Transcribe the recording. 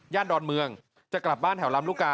ดอนเมืองจะกลับบ้านแถวลำลูกกา